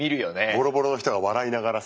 ボロボロの人が笑いながらさ。